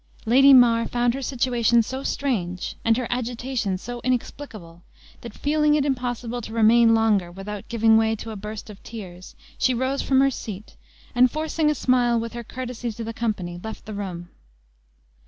Lady Mar found her situation so strange, and her agitation so inexplicable, that feeling it impossible to remain longer without giving way to a burst of tears, she rose from her seat, and forcing a smile with her courtesy to the company, left the room.